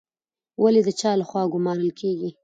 والي د چا لخوا ګمارل کیږي؟